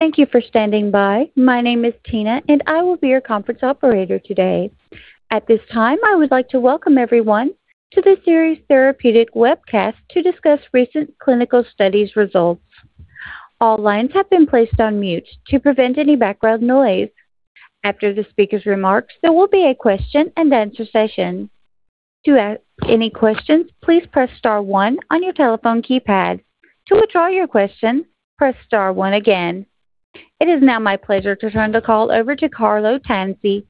Thank you for standing by. My name is Tina, and I will be your conference operator today. At this time, I would like to welcome everyone to the Seres Therapeutics webcast to discuss recent clinical studies results. All lines have been placed on mute to prevent any background noise. After the speaker's remarks, there will be a question-and-answer session. To ask any question, please press star one on your telephone keypad. To withdraw your question, press star one again. It is now my pleasure to turn the call over to Carlo Tanzi,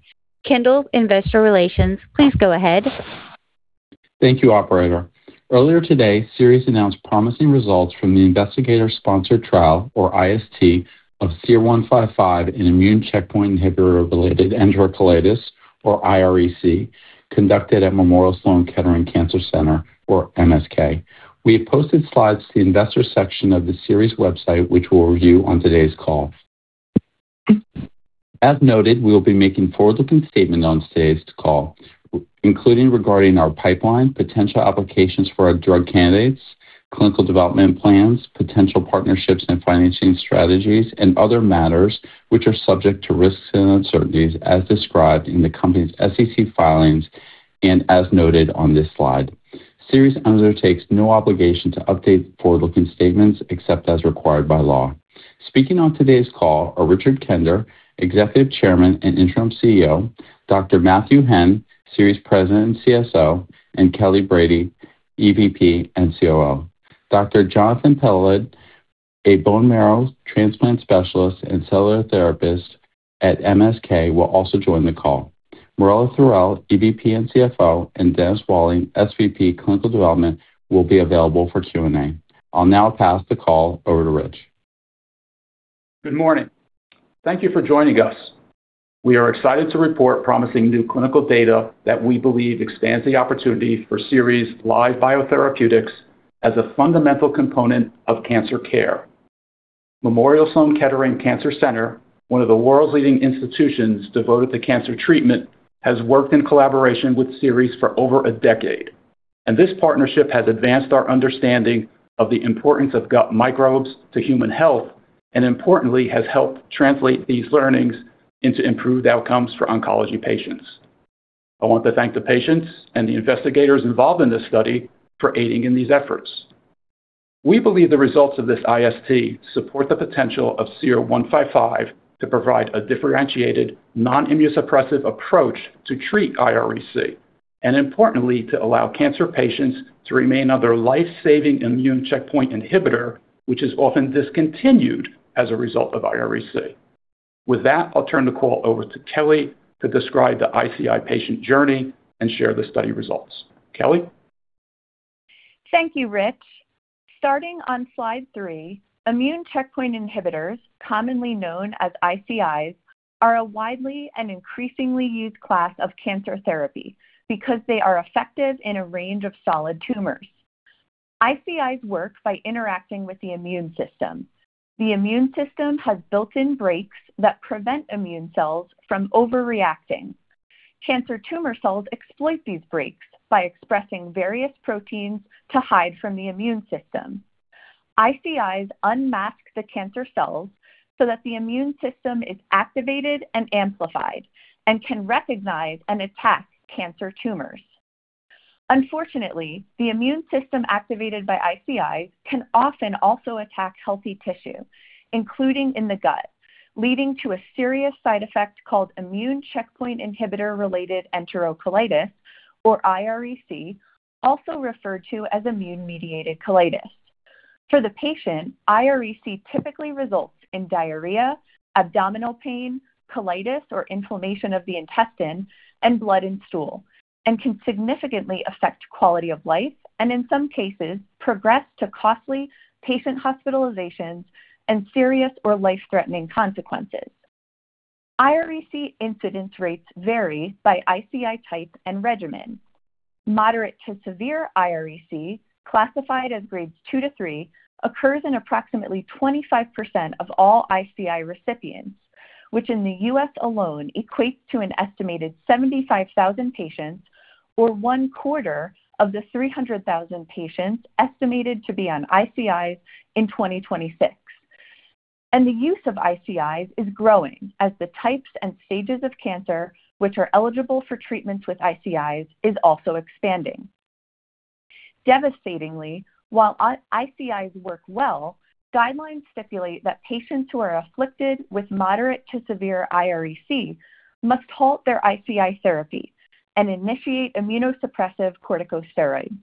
Kendall Investor Relations. Please go ahead. Thank you, operator. Earlier today, Seres announced promising results from the investigator-sponsored trial, or IST, of SER-155 in immune checkpoint inhibitor-related enterocolitis, or irEC, conducted at Memorial Sloan Kettering Cancer Center, or MSK. We have posted slides to the investor section of the Seres website which we'll review on today's call. As noted, we will be making forward-looking statements on today's call, including regarding our pipeline, potential applications for our drug candidates, clinical development plans, potential partnerships and financing strategies, and other matters which are subject to risks and uncertainties as described in the company's SEC filings and as noted on this slide. Seres undertakes no obligation to update forward-looking statements except as required by law. Speaking on today's call are Richard Kender, Executive Chairman and Interim CEO; Dr. Matthew Henn, Seres President and CSO; and Kelly Brady, EVP and COO. Dr. Jonathan Peled, a Bone Marrow Transplant Specialist and Cellular Therapist at MSK, will also join the call. Marella Thorell, EVP and CFO; and Dennis Walling, SVP, Clinical Development, will be available for Q&A. I'll now pass the call over to Rich. Good morning. Thank you for joining us. We are excited to report promising new clinical data that we believe expands the opportunity for Seres' live biotherapeutics as a fundamental component of cancer care. Memorial Sloan Kettering Cancer Center, one of the world's leading institutions devoted to cancer treatment, has worked in collaboration with Seres for over a decade, and this partnership has advanced our understanding of the importance of gut microbes to human health, and importantly, has helped translate these learnings into improved outcomes for oncology patients. I want to thank the patients and the investigators involved in this study for aiding in these efforts. We believe the results of this IST support the potential of SER-155 to provide a differentiated non-immunosuppressive approach to treat irEC, and importantly, to allow cancer patients to remain on their life-saving immune checkpoint inhibitor, which is often discontinued as a result of irEC. With that, I'll turn the call over to Kelly to describe the ICI patient journey and share the study results. Kelly? Thank you, Rich. Starting on slide three, immune checkpoint inhibitors, commonly known as ICIs, are a widely and increasingly used class of cancer therapy because they are effective in a range of solid tumors. ICIs work by interacting with the immune system. The immune system has built-in breaks that prevent immune cells from overreacting. Cancer tumor cells exploit these breaks by expressing various proteins to hide from the immune system. ICIs unmask the cancer cells so that the immune system is activated and amplified and can recognize and attack cancer tumors. Unfortunately, the immune system activated by ICIs can often also attack healthy tissue, including in the gut, leading to a serious side effect called immune checkpoint inhibitor-related enterocolitis, or irEC, also referred to as immune-mediated colitis. For the patient, irEC typically results in diarrhea, abdominal pain, colitis, or inflammation of the intestine, and blood in stool, and can significantly affect quality of life, and in some cases progress to costly patient hospitalizations and serious or life-threatening consequences. irEC incidence rates vary by ICI type and regimen. Moderate to severe irEC, classified as Grades 2 to 3, occurs in approximately 25% of all ICI recipients, which in the U.S. alone equates to an estimated 75,000 patients or 1/4 of the 300,000 patients estimated to be on ICIs in 2026. The use of ICIs is growing as the types and stages of cancer which are eligible for treatments with ICIs is also expanding. Devastatingly, while ICIs work well, guidelines stipulate that patients who are afflicted with moderate to severe irEC must halt their ICI therapy and initiate immunosuppressive corticosteroids.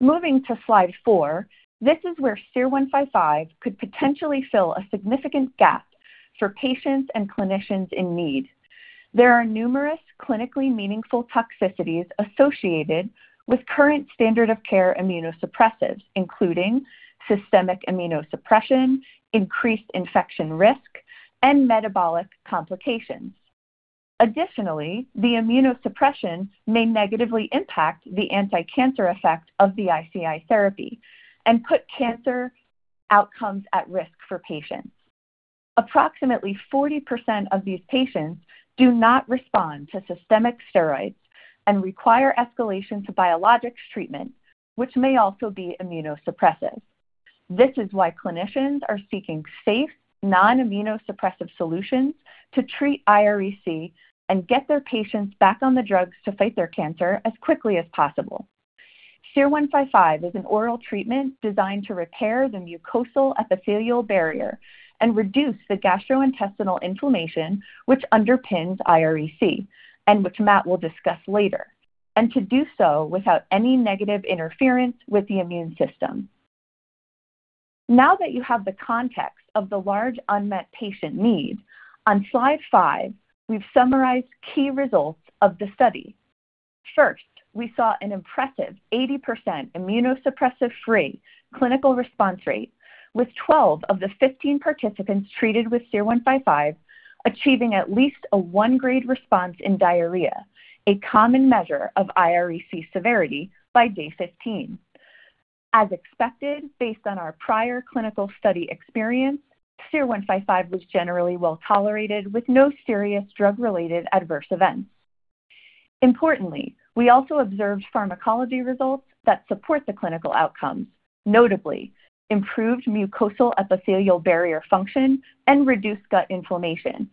Moving to slide four, this is where SER-155 could potentially fill a significant gap for patients and clinicians in need. There are numerous clinically meaningful toxicities associated with current standard of care immunosuppressives, including systemic immunosuppression, increased infection risk, and metabolic complications. Additionally, the immunosuppression may negatively impact the anti-cancer effect of the ICI therapy and put cancer outcomes at risk for patients. Approximately 40% of these patients do not respond to systemic steroids and require escalation to biologics treatment, which may also be immunosuppressive. This is why clinicians are seeking safe, non-immunosuppressive solutions to treat irEC and get their patients back on the drugs to fight their cancer as quickly as possible. SER-155 is an oral treatment designed to repair the mucosal epithelial barrier and reduce the gastrointestinal inflammation, which underpins irEC, and which Matt will discuss later, and to do so without any negative interference with the immune system. Now that you have the context of the large unmet patient need, on slide five, we've summarized key results of the study. First, we saw an impressive 80% immunosuppressive-free clinical response rate, with 12 of the 15 participants treated with SER-155 achieving at least a one-grade response in diarrhea, a common measure of irEC severity by day 15. As expected, based on our prior clinical study experience, SER-155 was generally well-tolerated with no serious drug-related adverse events. Importantly, we also observed pharmacology results that support the clinical outcomes, notably improved mucosal epithelial barrier function and reduced gut inflammation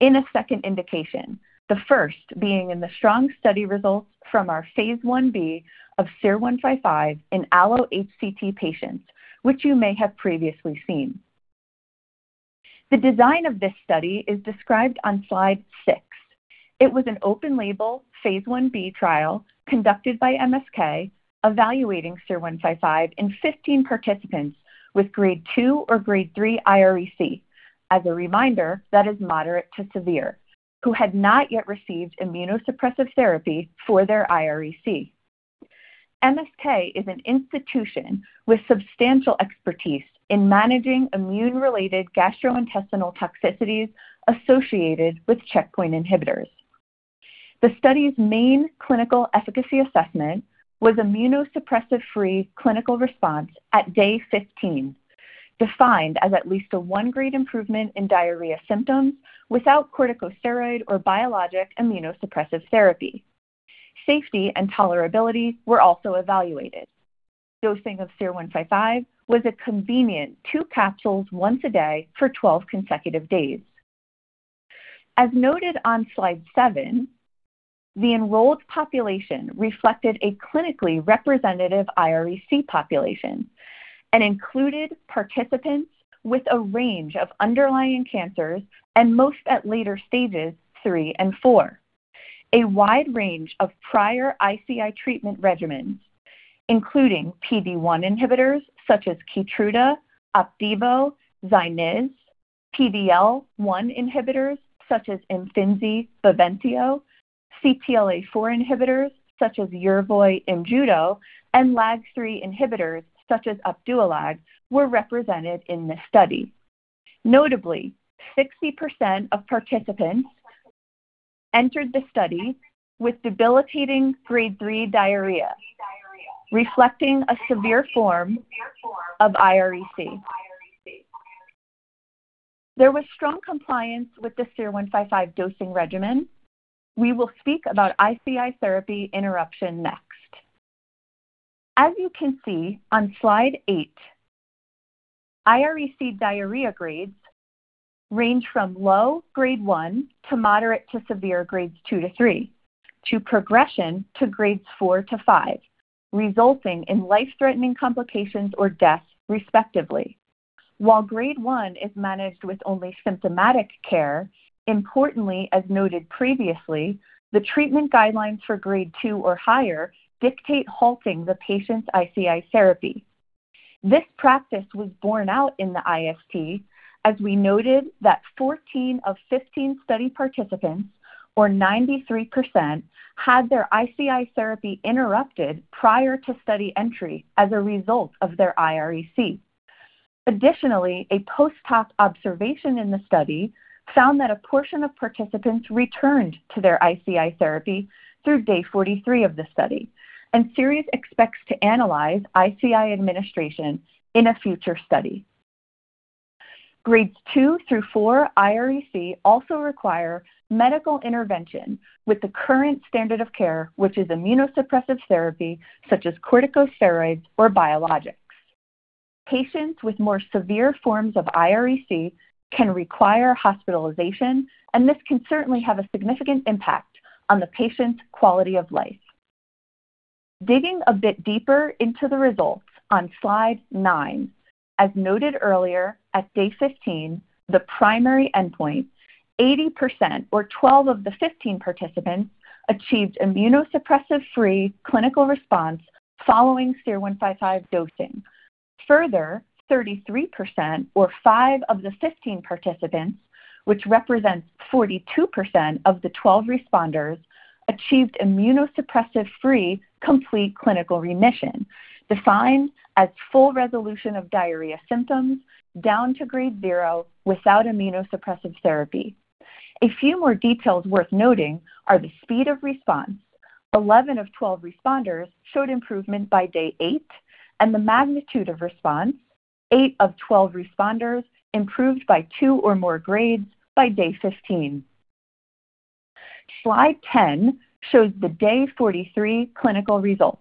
in a second indication, the first being in the strong study results from our phase I-B of SER-155 in allo-HCT patients, which you may have previously seen. The design of this study is described on slide six. It was an open-label, phase I-B trial conducted by MSK, evaluating SER-155 in 15 participants with Grade 2 or Grade 3 irEC. As a reminder, that is moderate to severe, who had not yet received immunosuppressive therapy for their irEC. MSK is an institution with substantial expertise in managing immune-related gastrointestinal toxicities associated with checkpoint inhibitors. The study's main clinical efficacy assessment was immunosuppressive-free clinical response at day 15, defined as at least a one-grade improvement in diarrhea symptoms without corticosteroid or biologic immunosuppressive therapy. Safety and tolerability were also evaluated. Dosing of SER-155 was a convenient two capsules once a day for 12 consecutive days. As noted on slide seven, the enrolled population reflected a clinically representative irEC population and included participants with a range of underlying cancers and most at later stages, III and IV. A wide range of prior ICI treatment regimens, including PD-1 inhibitors such as Keytruda, Opdivo, ZYNYZ, PD-L1 inhibitors such as IMFINZI, BAVENCIO, CTLA-4 inhibitors such as YERVOY, IMJUDO, and LAG-3 inhibitors such as Opdualag were represented in this study. Notably, 60% of participants entered the study with debilitating Grade 3 diarrhea, reflecting a severe form of irEC. There was strong compliance with the SER-155 dosing regimen. We will speak about ICI therapy interruption next. As you can see on slide eight, irEC diarrhea grades range from low Grade 1 to moderate to severe Grades 2 to 3, to progression to Grades 4 to 5, resulting in life-threatening complications or death, respectively. While Grade 1 is managed with only symptomatic care, importantly, as noted previously, the treatment guidelines for Grade 2 or higher dictate halting the patient's ICI therapy. This practice was borne out in the IST, as we noted that 14 of 15 study participants, or 93%, had their ICI therapy interrupted prior to study entry as a result of their irEC. Additionally, a post hoc observation in the study found that a portion of participants returned to their ICI therapy through day 43 of the study, and Seres expects to analyze ICI administration in a future study. Grade 2 through 4 irEC also require medical intervention with the current standard of care, which is immunosuppressive therapy such as corticosteroids or biologics. Patients with more severe forms of irEC can require hospitalization, and this can certainly have a significant impact on the patient's quality of life. Digging a bit deeper into the results on slide nine, as noted earlier, at day 15, the primary endpoint, 80%, or 12 of the 15 participants, achieved immunosuppressive-free clinical response following SER-155 dosing. Further, 33%, or five of the 15 participants, which represents 42% of the 12 responders, achieved immunosuppressive-free complete clinical remission, defined as full resolution of diarrhea symptoms down to Grade 0 without immunosuppressive therapy. A few more details worth noting are the speed of response. 11 of 12 responders showed improvement by day eight, and the magnitude of response, eight of 12 responders improved by two or more grades by day 15. Slide 10 shows the day 43 clinical results.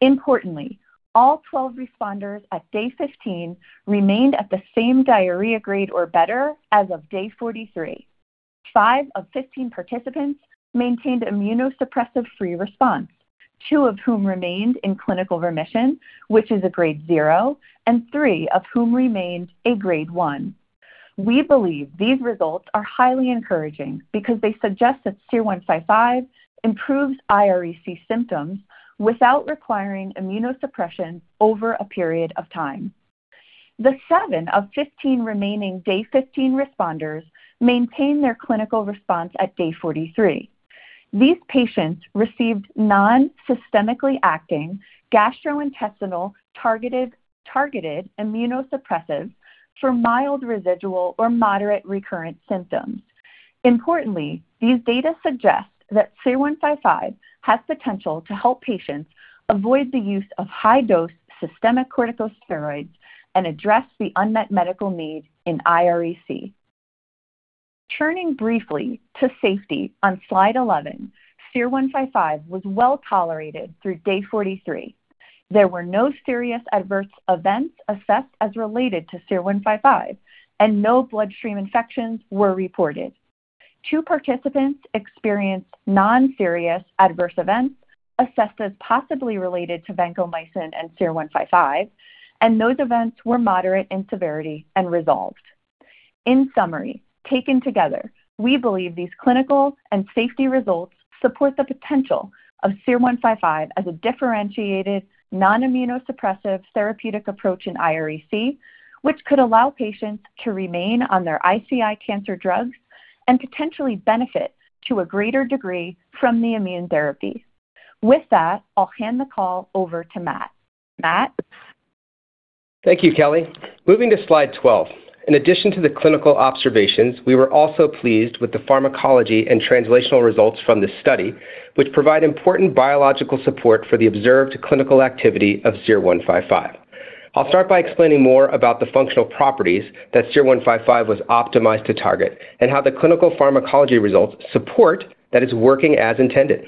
Importantly, all 12 responders at day 15 remained at the same diarrhea grade or better as of day 43. Five of 15 participants maintained immunosuppressive-free response, two of whom remained in clinical remission, which is a Grade 0, and three of whom remained a Grade 1. We believe these results are highly encouraging because they suggest that SER-155 improves irEC symptoms without requiring immunosuppression over a period of time. The seven of 15 remaining day 15 responders maintained their clinical response at day 43. These patients received non-systemically acting gastrointestinal targeted immunosuppressives for mild residual or moderate recurrent symptoms. Importantly, these data suggest that SER-155 has potential to help patients avoid the use of high-dose systemic corticosteroids and address the unmet medical need in irEC. Turning briefly to safety on slide 11, SER-155 was well-tolerated through day 43. There were no serious adverse events assessed as related to SER-155, and no bloodstream infections were reported. Two participants experienced non-serious adverse events assessed as possibly related to vancomycin and SER-155, and those events were moderate in severity and resolved. In summary, taken together, we believe these clinical and safety results support the potential of SER-155 as a differentiated non-immunosuppressive therapeutic approach in irEC, which could allow patients to remain on their ICI cancer drugs and potentially benefit to a greater degree from the immune therapy. With that, I'll hand the call over to Matt. Matt? Thank you, Kelly. Moving to slide 12. In addition to the clinical observations, we were also pleased with the pharmacology and translational results from this study, which provide important biological support for the observed clinical activity of SER-155. I'll start by explaining more about the functional properties that SER-155 was optimized to target and how the clinical pharmacology results support that it's working as intended.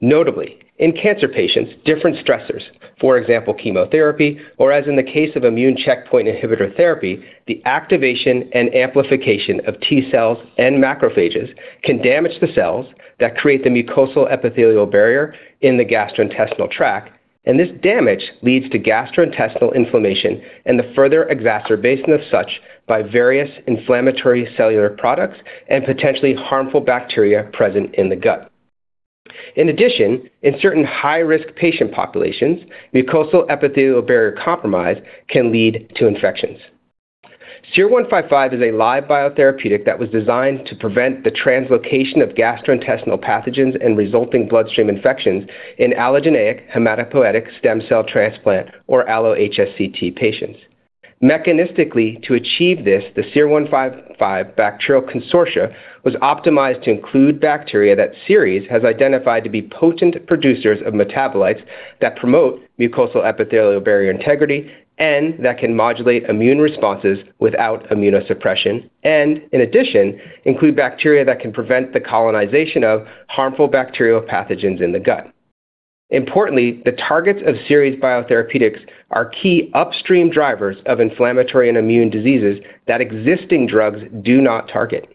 Notably, in cancer patients, different stressors, for example, chemotherapy, or as in the case of immune checkpoint inhibitor therapy, the activation and amplification of T cells and macrophages can damage the cells that create the mucosal epithelial barrier in the gastrointestinal tract, and this damage leads to gastrointestinal inflammation and the further exacerbation of such by various inflammatory cellular products and potentially harmful bacteria present in the gut. In addition, in certain high-risk patient populations, mucosal epithelial barrier compromise can lead to infections. SER-155 is a live biotherapeutic that was designed to prevent the translocation of gastrointestinal pathogens and resulting bloodstream infections in allogeneic hematopoietic stem cell transplant, or allo-HSCT patients. Mechanistically, to achieve this, the SER-155 bacterial consortia was optimized to include bacteria that Seres has identified to be potent producers of metabolites that promote mucosal epithelial barrier integrity and that can modulate immune responses without immunosuppression, and in addition, include bacteria that can prevent the colonization of harmful bacterial pathogens in the gut. Importantly, the targets of Seres biotherapeutics are key upstream drivers of inflammatory and immune diseases that existing drugs do not target.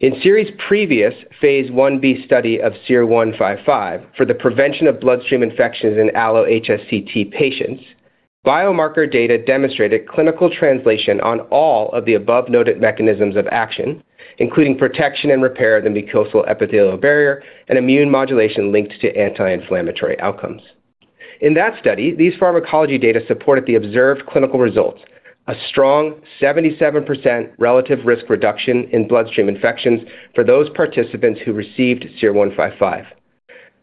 In Seres' previous phase I-B study of SER-155 for the prevention of bloodstream infections in allo-HSCT patients, biomarker data demonstrated clinical translation on all of the above noted mechanisms of action, including protection and repair of the mucosal epithelial barrier and immune modulation linked to anti-inflammatory outcomes. In that study, these pharmacology data supported the observed clinical results, a strong 77% relative risk reduction in bloodstream infections for those participants who received SER-155,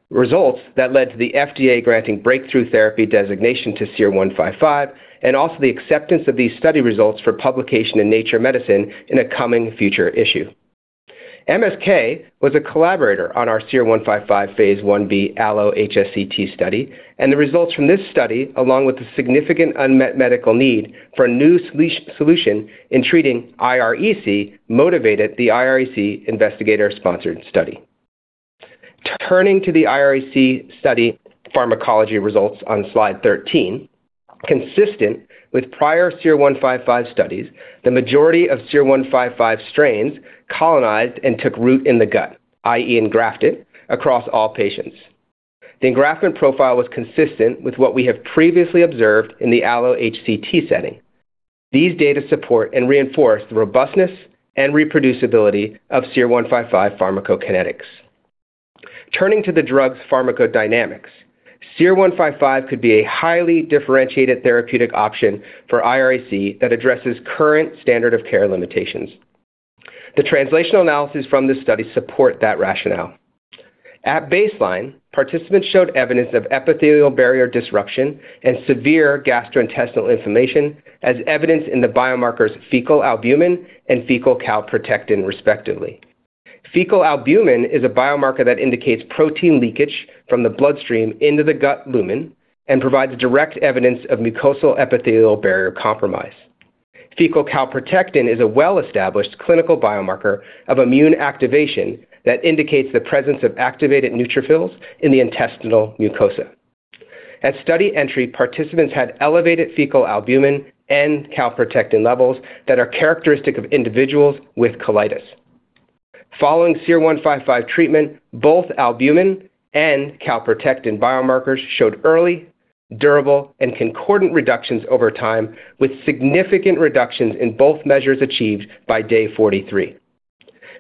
results that led to the FDA granting breakthrough therapy designation to SER-155 and also the acceptance of these study results for publication in Nature Medicine in a coming future issue. MSK was a collaborator on our SER-155 phase I-B allo-HSCT study, and the results from this study, along with the significant unmet medical need for a new solution in treating irEC, motivated the irEC investigator-sponsored study. Turning to the irEC study pharmacology results on slide 13. Consistent with prior SER-155 studies, the majority of SER-155 strains colonized and took root in the gut, i.e., engrafted across all patients. The engraftment profile was consistent with what we have previously observed in the allo-HCT setting. These data support and reinforce the robustness and reproducibility of SER-155 pharmacokinetics. Turning to the drug's pharmacodynamics, SER-155 could be a highly differentiated therapeutic option for irEC that addresses current standard of care limitations. The translational analysis from this study support that rationale. At baseline, participants showed evidence of epithelial barrier disruption and severe gastrointestinal inflammation as evidenced in the biomarkers fecal albumin and fecal calprotectin, respectively. Fecal albumin is a biomarker that indicates protein leakage from the bloodstream into the gut lumen and provides direct evidence of mucosal epithelial barrier compromise. Fecal calprotectin is a well-established clinical biomarker of immune activation that indicates the presence of activated neutrophils in the intestinal mucosa. At study entry, participants had elevated fecal albumin and calprotectin levels that are characteristic of individuals with colitis. Following SER-155 treatment, both albumin and calprotectin biomarkers showed early, durable, and concordant reductions over time, with significant reductions in both measures achieved by day 43,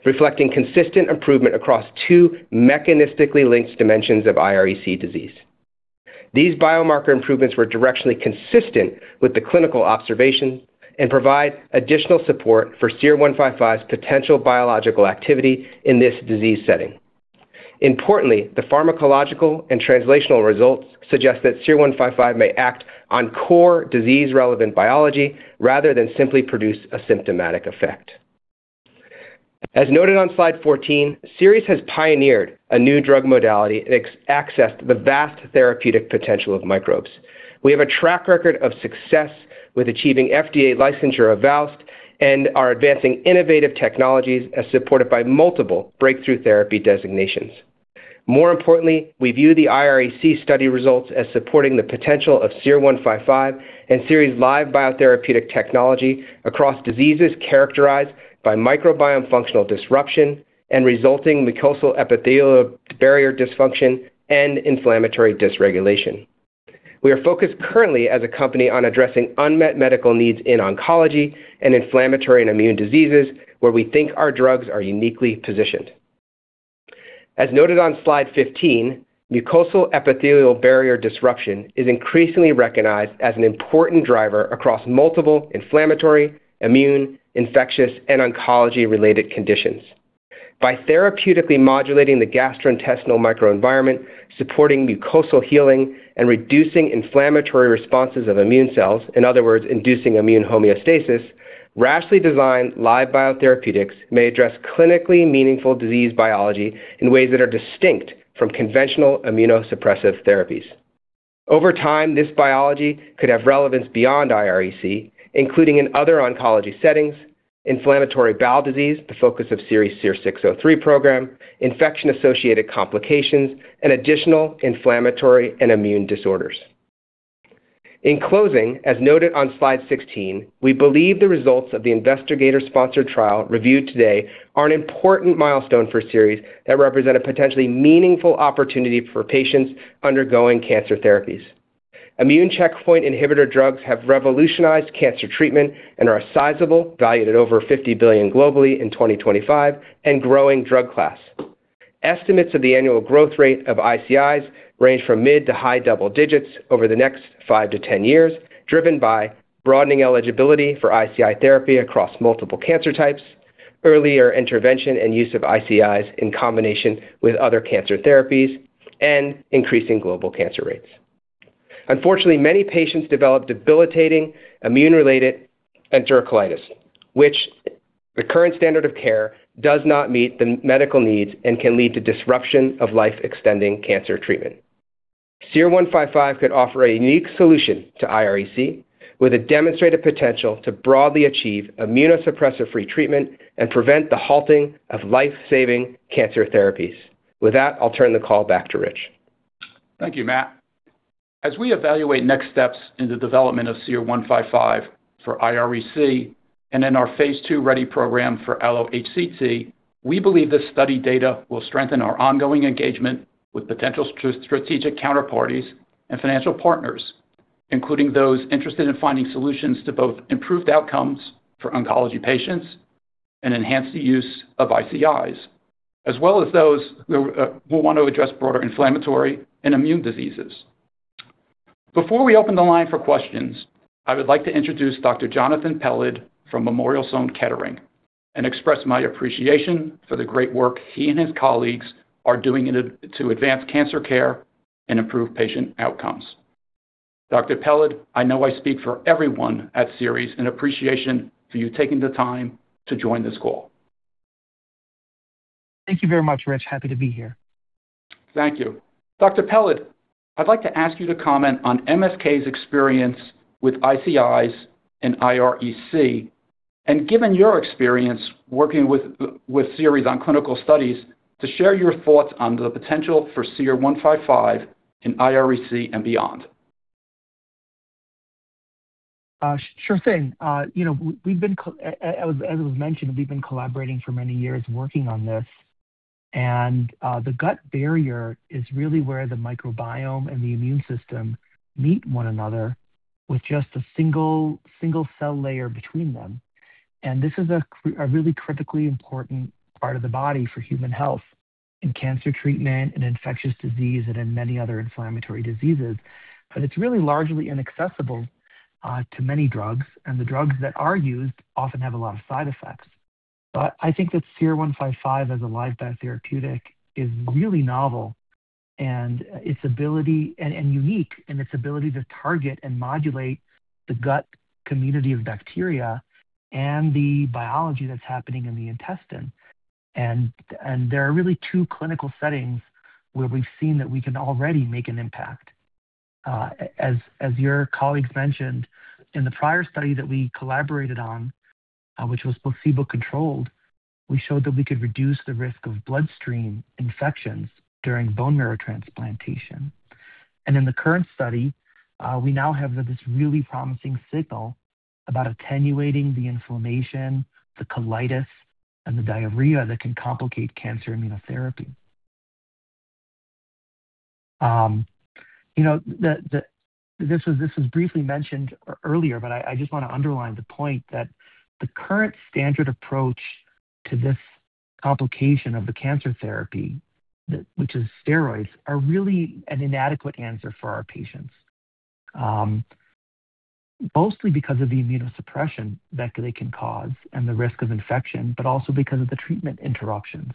reflecting consistent improvement across two mechanistically linked dimensions of irEC disease. These biomarker improvements were directionally consistent with the clinical observation and provide additional support for SER-155 potential biological activity in this disease setting. Importantly, the pharmacological and translational results suggest that SER-155 may act on core disease-relevant biology rather than simply produce a symptomatic effect. As noted on slide 14, Seres has pioneered a new drug modality and accessed the vast therapeutic potential of microbes. We have a track record of success with achieving FDA licensure of VOWST and are advancing innovative technologies as supported by multiple breakthrough therapy designations. More importantly, we view the irEC study results as supporting the potential of SER-155 and Seres' live biotherapeutic technology across diseases characterized by microbiome functional disruption and resulting mucosal epithelial barrier dysfunction and inflammatory dysregulation. We are focused currently as a company on addressing unmet medical needs in oncology and inflammatory and immune diseases where we think our drugs are uniquely positioned. As noted on slide 15, mucosal epithelial barrier disruption is increasingly recognized as an important driver across multiple inflammatory, immune, infectious, and oncology-related conditions. By therapeutically modulating the gastrointestinal microenvironment, supporting mucosal healing, and reducing inflammatory responses of immune cells, in other words, inducing immune homeostasis, rationally designed live biotherapeutics may address clinically meaningful disease biology in ways that are distinct from conventional immunosuppressive therapies. Over time, this biology could have relevance beyond irEC, including in other oncology settings, inflammatory bowel disease, the focus of Seres' SER-603 program, infection-associated complications, and additional inflammatory and immune disorders. In closing, as noted on slide 16, we believe the results of the investigator-sponsored trial reviewed today are an important milestone for Seres that represent a potentially meaningful opportunity for patients undergoing cancer therapies. Immune checkpoint inhibitor drugs have revolutionized cancer treatment and are a sizable, valued at over $50 billion globally in 2025, and growing drug class. Estimates of the annual growth rate of ICIs range from mid to high double digits over the next 5-10 years, driven by broadening eligibility for ICI therapy across multiple cancer types, earlier intervention and use of ICIs in combination with other cancer therapies, and increasing global cancer rates. Unfortunately, many patients develop debilitating immune-related enterocolitis, which the current standard of care does not meet the medical needs and can lead to disruption of life-extending cancer treatment. SER-155 could offer a unique solution to irEC with a demonstrated potential to broadly achieve immunosuppressive-free treatment and prevent the halting of life-saving cancer therapies. With that, I'll turn the call back to Rich. Thank you, Matt. As we evaluate next steps in the development of SER-155 for irEC and in our phase II ready program for allo-HCT, we believe this study data will strengthen our ongoing engagement with potential strategic counterparties and financial partners, including those interested in finding solutions to both improved outcomes for oncology patients and enhance the use of ICIs, as well as those who want to address broader inflammatory and immune diseases. Before we open the line for questions, I would like to introduce Dr. Jonathan Peled from Memorial Sloan Kettering and express my appreciation for the great work he and his colleagues are doing to advance cancer care and improve patient outcomes. Dr. Peled, I know I speak for everyone at Seres in appreciation for you taking the time to join this call. Thank you very much, Rich. Happy to be here. Thank you. Dr. Peled, I'd like to ask you to comment on MSK's experience with ICIs and irEC, and given your experience working with Seres on clinical studies, to share your thoughts on the potential for SER-155 in irEC and beyond. Sure thing. As was mentioned, we've been collaborating for many years working on this, and the gut barrier is really where the microbiome and the immune system meet one another with just a single-cell layer between them. This is a really critically important part of the body for human health in cancer treatment, in infectious disease, and in many other inflammatory diseases. It's really largely inaccessible to many drugs, and the drugs that are used often have a lot of side effects. I think that SER-155 as a live biotherapeutic is really novel, and its ability, and unique in its ability to target and modulate the gut community of bacteria and the biology that's happening in the intestine. There are really two clinical settings where we've seen that we can already make an impact. As your colleagues mentioned, in the prior study that we collaborated on, which was placebo-controlled, we showed that we could reduce the risk of bloodstream infections during bone marrow transplantation. In the current study, we now have this really promising signal about attenuating the inflammation, the colitis, and the diarrhea that can complicate cancer immunotherapy. This was briefly mentioned earlier, but I just want to underline the point that the current standard approach to this complication of the cancer therapy, which is steroids, are really an inadequate answer for our patients. Mostly because of the immunosuppression that they can cause and the risk of infection, but also because of the treatment interruptions.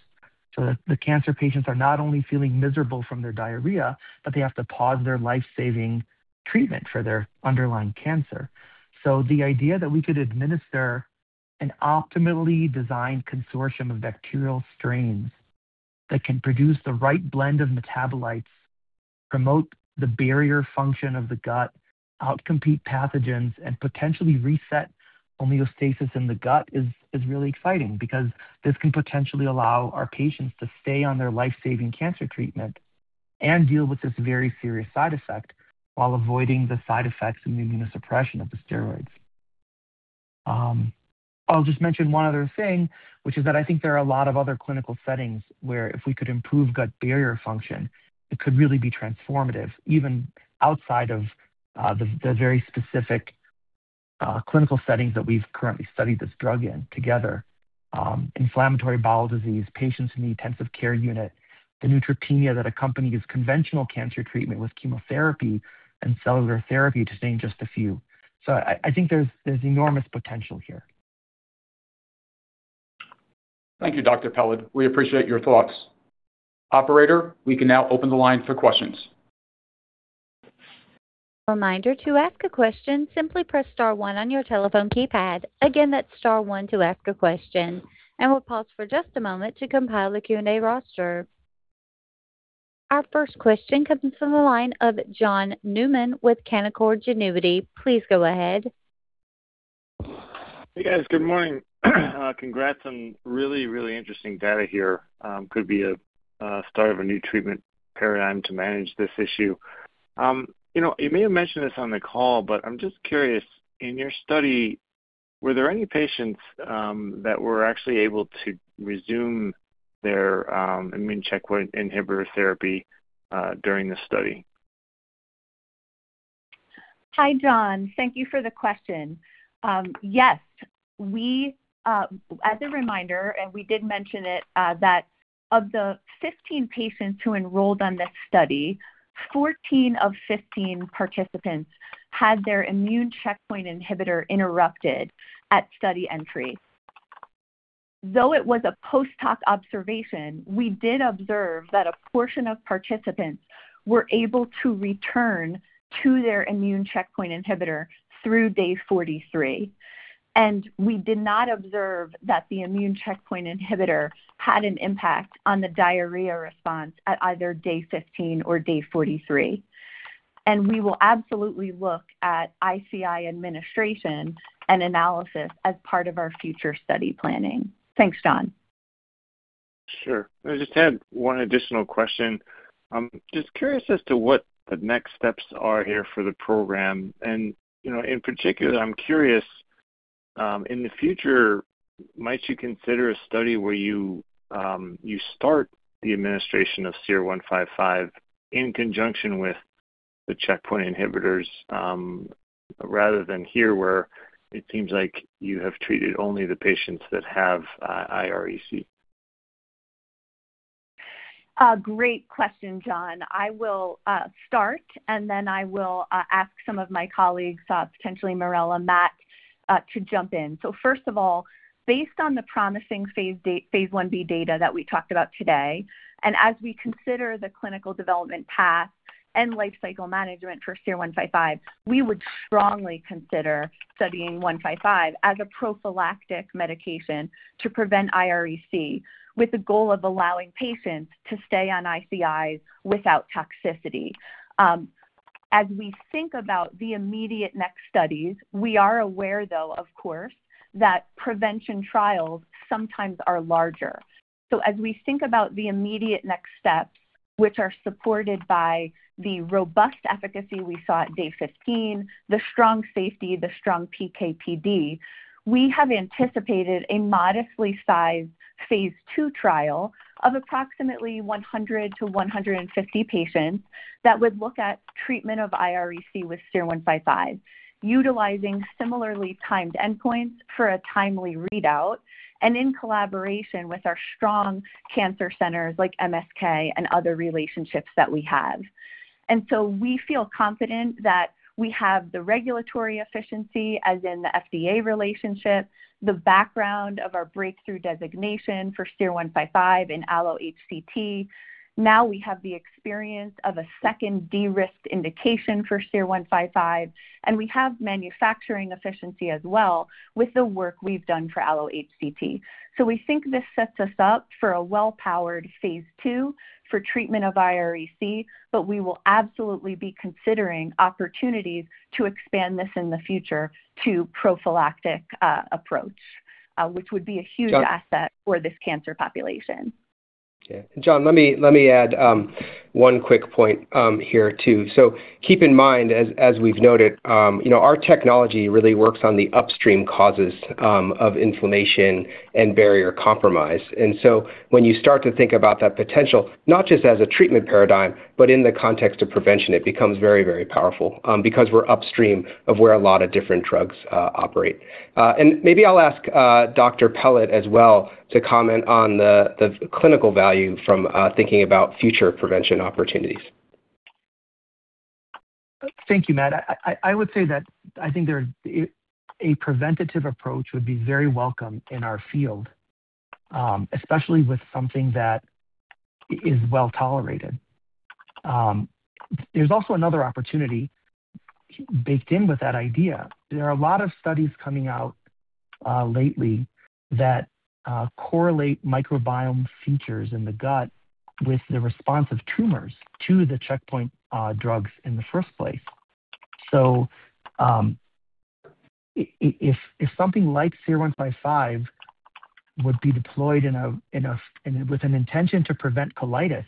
The cancer patients are not only feeling miserable from their diarrhea, but they have to pause their life-saving treatment for their underlying cancer. So, the idea that we could administer an optimally designed consortium of bacterial strains that can produce the right blend of metabolites, promote the barrier function of the gut, outcompete pathogens, and potentially reset homeostasis in the gut is really exciting, because this can potentially allow our patients to stay on their life-saving cancer treatment and deal with this very serious side effect while avoiding the side effects and immunosuppression of the steroids. I'll just mention one other thing, which is that I think there are a lot of other clinical settings where if we could improve gut barrier function, it could really be transformative, even outside of the very specific clinical settings that we've currently studied this drug in together. Inflammatory bowel disease, patients in the intensive care unit, the neutropenia that accompanies conventional cancer treatment with chemotherapy and cellular therapy, to name just a few. So, I think there's enormous potential here. Thank you, Dr. Peled. We appreciate your thoughts. Operator, we can now open the line for questions. Reminder, to ask a question, simply press star one on your telephone keypad. Again, that's star one to ask a question. We'll pause for just a moment to compile the Q&A roster. Our first question comes from the line of John Newman with Canaccord Genuity. Please go ahead. Hey, guys. Good morning. Congrats on really, really interesting data here. Could be a start of a new treatment paradigm to manage this issue. You may have mentioned this on the call, but I'm just curious, in your study, were there any patients that were actually able to resume their immune checkpoint inhibitor therapy during the study? Hi, John. Thank you for the question. Yes. As a reminder, we did mention it, that of the 15 patients who enrolled on this study, 14 of 15 participants had their immune checkpoint inhibitor interrupted at study entry. Though it was a post hoc observation, we did observe that a portion of participants were able to return to their immune checkpoint inhibitor through day 43, and we did not observe that the immune checkpoint inhibitor had an impact on the diarrhea response at either day 15 or day 43. We will absolutely look at ICI administration and analysis as part of our future study planning. Thanks, John. Sure. I just had one additional question. Just curious as to what the next steps are here for the program. In particular, I'm curious, in the future, might you consider a study where you start the administration of SER-155 in conjunction with the checkpoint inhibitors, rather than here where it seems like you have treated only the patients that have irEC? Great question, John. I will start, and then I will ask some of my colleagues, potentially Marella, Matt, to jump in. First of all, based on the promising phase I-B data that we talked about today, and as we consider the clinical development path and life cycle management for SER-155, we would strongly consider studying 155 as a prophylactic medication to prevent irEC, with the goal of allowing patients to stay on ICIs without toxicity. As we think about the immediate next studies, we are aware though, of course, that prevention trials sometimes are larger. As we think about the immediate next steps, which are supported by the robust efficacy we saw at day 15, the strong safety, the strong PK/PD, we have anticipated a modestly sized phase II trial of approximately 100-150 patients that would look at treatment of irEC with SER-155, utilizing similarly timed endpoints for a timely readout, and in collaboration with our strong cancer centers like MSK and other relationships that we have. We feel confident that we have the regulatory efficiency, as in the FDA relationship, the background of our breakthrough designation for SER-155 and allo-HCT. Now, we have the experience of a second de-risked indication for SER-155, and we have manufacturing efficiency as well with the work we've done for allo-HCT. We think this sets us up for a well-powered phase II for treatment of irEC, but we will absolutely be considering opportunities to expand this in the future to prophylactic approach. John? Which would be a huge asset for this cancer population. Yeah. John, let me add one quick point here, too. Keep in mind, as we've noted, our technology really works on the upstream causes of inflammation and barrier compromise. When you start to think about that potential, not just as a treatment paradigm, but in the context of prevention, it becomes very, very powerful, because we're upstream of where a lot of different drugs operate. Maybe I'll ask Dr. Peled as well to comment on the clinical value from thinking about future prevention opportunities. Thank you, Matt. I would say that I think a preventative approach would be very welcome in our field, especially with something that is well-tolerated. There is also another opportunity baked in with that idea. There are a lot of studies coming out lately that correlate microbiome features in the gut with the response of tumors to the checkpoint drugs in the first place. So, if something like SER-155 would be deployed with an intention to prevent colitis,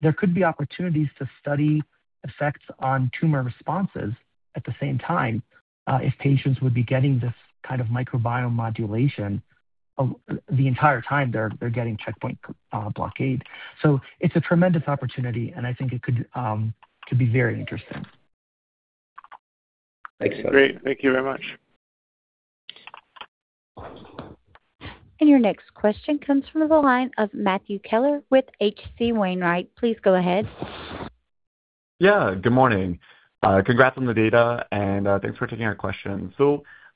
there could be opportunities to study effects on tumor responses at the same time, if patients would be getting this kind of microbiome modulation the entire time they are getting checkpoint blockade. It is a tremendous opportunity, and I think it could be very interesting. Thanks. Great. Thank you very much. Your next question comes from the line of Matthew Keller with H.C. Wainwright. Please go ahead. Yeah, good morning. Congrats on the data, and thanks for taking our question.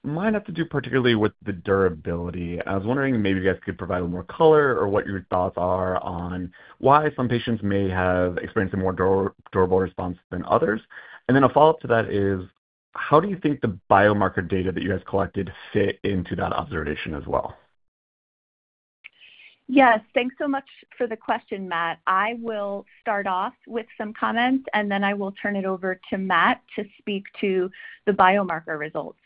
Mine has to do particularly with the durability. I was wondering if maybe you guys could provide more color or what your thoughts are on why some patients may have experienced a more durable response than others? Then a follow-up to that is, how do you think the biomarker data that you guys collected fit into that observation as well? Yeah. Thanks so much for the question, Matt. I will start off with some comments, and then I will turn it over to Matt to speak to the biomarker results.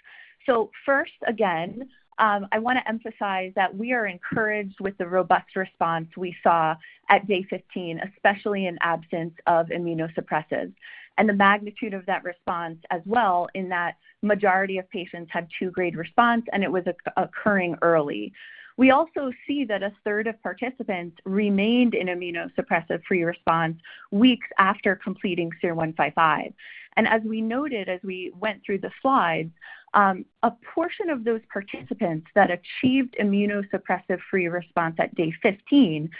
First, again, I want to emphasize that we are encouraged with the robust response we saw at day 15, especially in absence of immunosuppressants, and the magnitude of that response as well, in that majority of patients had two-grade response, and it was occurring early. We also see that 1/3 of participants remained in immunosuppressive-free response weeks after completing SER-155. As we noted as we went through the slides, a portion of those participants that achieved immunosuppressive-free response at day 15,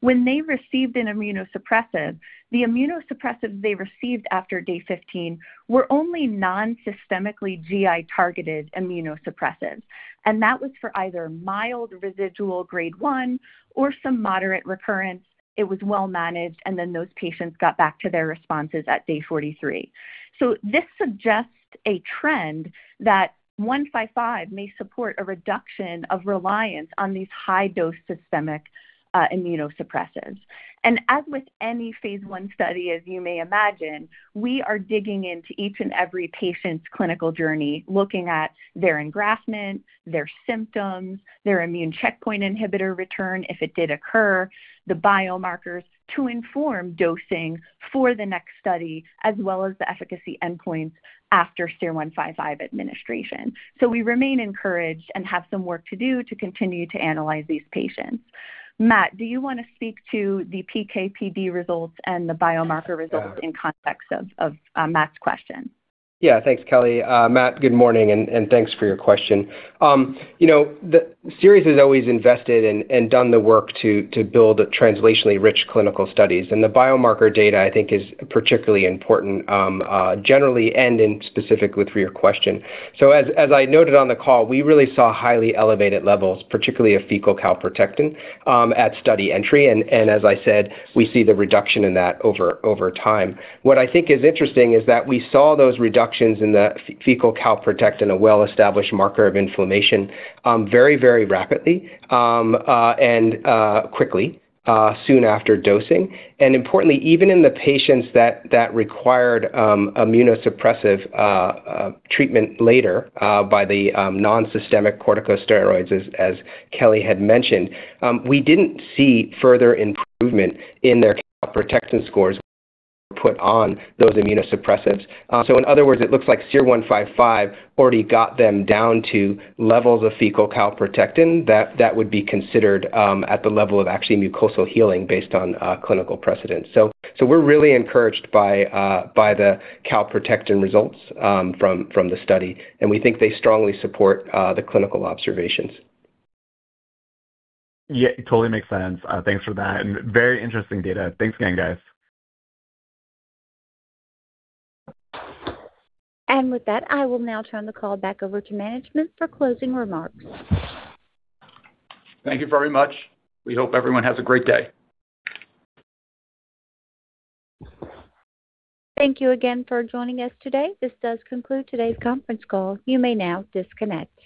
when they received an immunosuppressive, the immunosuppressive they received after day 15 were only non-systemically GI-targeted immunosuppressants, and that was for either mild residual Grade 1 or some moderate recurrence. It was well-managed, and then those patients got back to their responses at day 43. This suggests a trend that 155 may support a reduction of reliance on these high-dose systemic immunosuppressants. And as with any phase I study, as you may imagine, we are digging into each and every patient's clinical journey, looking at their engraftment, their symptoms, their immune checkpoint inhibitor return, if it did occur, the biomarkers to inform dosing for the next study, as well as the efficacy endpoints after SER-155 administration. We remain encouraged and have some work to do to continue to analyze these patients. Matt, do you want to speak to the PK/PD results and the biomarker results in context of Matt's question? Yeah. Thanks, Kelly. Matt, good morning, and thanks for your question. Seres has always invested and done the work to build translationally rich clinical studies. The biomarker data, I think, is particularly important, generally and in specific with your question. As I noted on the call, we really saw highly elevated levels, particularly of fecal calprotectin, at study entry. As I said, we see the reduction in that over time. What I think is interesting is that we saw those reductions in the fecal calprotectin, a well-established marker of inflammation, very, very rapidly and quickly, soon after dosing. Importantly, even in the patients that required immunosuppressive treatment later by the non-systemic corticosteroids, as Kelly had mentioned, we didn't see further improvement in their calprotectin scores put on those immunosuppressants. In other words, it looks like SER-155 already got them down to levels of fecal calprotectin that would be considered at the level of actually mucosal healing based on clinical precedent. So, we're really encouraged by the calprotectin results from the study, and we think they strongly support the clinical observations. Yeah, it totally makes sense. Thanks for that, and very interesting data. Thanks again, guys. With that, I will now turn the call back over to management for closing remarks. Thank you very much. We hope everyone has a great day. Thank you again for joining us today. This does conclude today's conference call. You may now disconnect.